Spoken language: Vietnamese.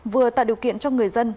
vừa tạo điều kiện cho người dân